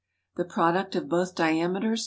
The product of both diameters ×